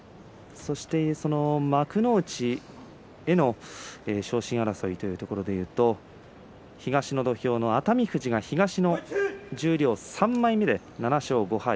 そしてその幕内への昇進争いというところで言うと東の土俵の熱海富士が東の十両３枚目で７勝５敗。